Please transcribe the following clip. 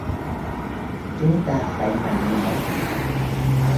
chúng ta phải mạnh mẽ